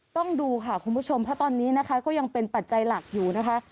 ต้องดูค่ะคุณผู้ชมเพราะตอนนี้นะคะก็ยังเป็นปัจจัยหลักอยู่นะคะ